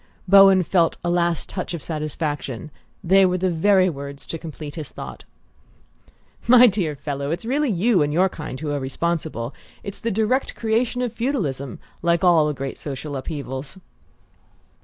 Bowen felt a last touch of satisfaction: they were the very words to complete his thought. "My dear fellow, it's really you and your kind who are responsible. It's the direct creation of feudalism, like all the great social upheavals!"